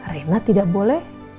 rena tidak boleh